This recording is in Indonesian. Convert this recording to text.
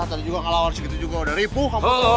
tadi juga ngalawar segitu juga udah ripuh